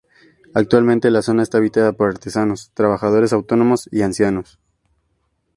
Actualmente, la zona está habitada por artesanos, trabajadores autónomos y ancianos.